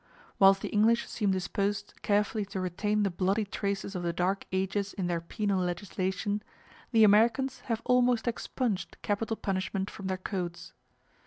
Whilst the English seem disposed carefully to retain the bloody traces of the dark ages in their penal legislation, the Americans have almost expunged capital punishment from their codes.